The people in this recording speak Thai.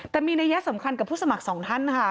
แต่มีนัยสำคัญกับผู้สมัครสองท่านค่ะ